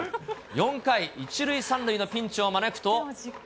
４回、１塁３塁のピンチを招くと。